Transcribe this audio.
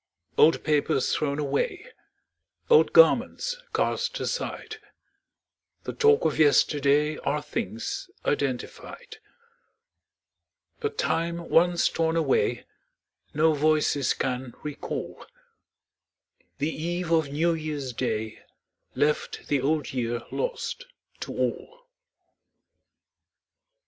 Old papers thrown away, Old garments cast aside, The talk of yesterday, Are things identified; But time once torn away No voices can recall: The eve of New Year's Day Left the Old Year lost to all.